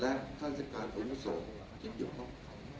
และท่านรัฐการอุโมโสคิดอยู่บ้าง